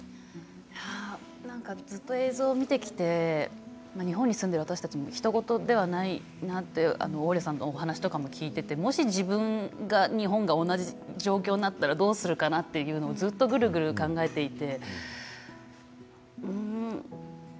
なんか、ずっと映像を見てきて日本に住んでいる私たちもひと事ではないなというオーリャさんの話とかも聞いていてもし自分が日本が同じ状況になったらどうするかなとずっとぐるぐる考えていて。